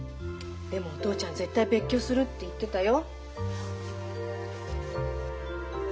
でもお父ちゃん絶対別居するって言ってたよ。